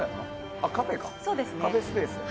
あ、カフェスペース。